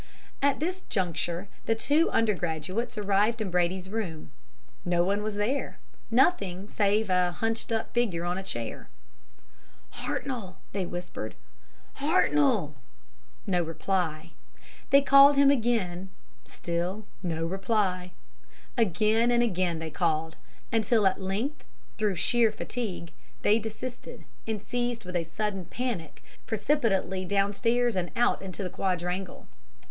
"At this juncture the two undergraduates arrived in Brady's room. No one was there nothing save a hunched up figure on a chair. "'Hartnoll!' they whispered. 'Hartnoll!' No reply. They called again still no reply. Again and again they called, until at length, through sheer fatigue, they desisted, and seized with a sudden panic fled precipitately downstairs and out into the quadrangle.